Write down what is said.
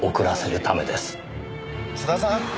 津田さん？